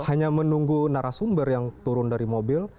hanya menunggu narasumber yang turun dari mobil